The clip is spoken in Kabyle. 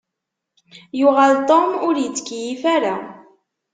Yuɣal Tom ur ittkeyyif ara.